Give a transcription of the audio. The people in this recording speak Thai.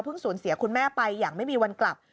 สูญเสียคุณแม่ไปอย่างไม่มีวันกลับ